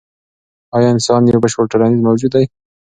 ایا انسان یو بشپړ ټولنیز موجود دی؟